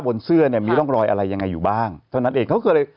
บนเสื้อเนี่ยมีร่องรอยอะไรยังไงอยู่บ้างเท่านั้นเองเขาก็เลย